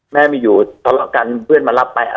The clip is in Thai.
แม่ไม่อยู่ทบกันเพื่อนมารับไป